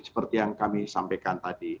seperti yang kami sampaikan tadi